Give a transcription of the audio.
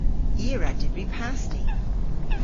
I a wra dybri pasti.